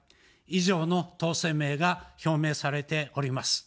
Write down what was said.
以上の党声明が表明されております。